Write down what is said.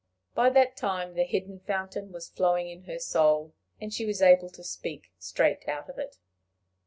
By that time the hidden fountain was flowing in her soul, and she was able to speak straight out of it.